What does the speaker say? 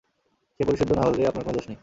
সে পরিশুদ্ধ না হলে আপনার কোন দোষ নেই।